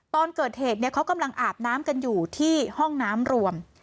ตอนเกิดเหตุเขากำลังอาบน้ำกันอยู่ที่ห้องน้ำรวม